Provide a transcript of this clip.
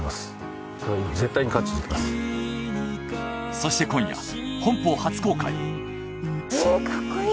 そして今夜本邦初公開！